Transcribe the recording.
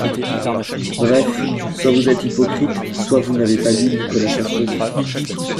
Bref, soit vous êtes hypocrites, soit vous n’avez pas lu Nicolas Sarkozy.